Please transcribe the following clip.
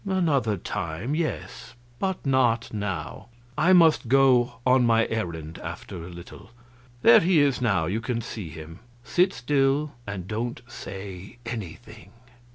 "Another time, yes, but not now. I must go on my errand after a little. There he is now; you can see him. Sit still, and don't say anything."